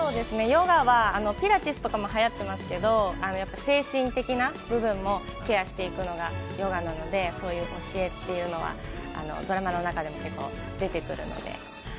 ヨガは、ピラティスとかもはやってますけど、精神的な部分もケアしていくのがヨガなのでそういう教えというのはドラマの中でも結構出てくるので。